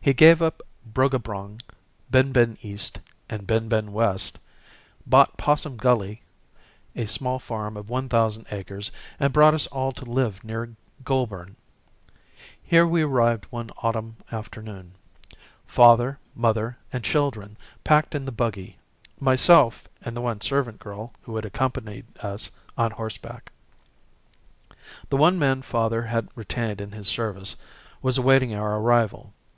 He gave up Bruggabrong, Bin Bin East and Bin Bin West, bought Possum Gully, a small farm of one thousand acres, and brought us all to live near Goulburn. Here we arrived one autumn afternoon. Father, mother, and children packed in the buggy, myself, and the one servant girl, who had accompanied us, on horseback. The one man father had retained in his service was awaiting our arrival.